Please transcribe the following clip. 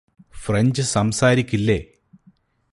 French സംസാരിക്കില്ലേ